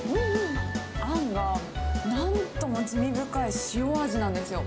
あんが、なんとも滋味深い塩味なんですよ。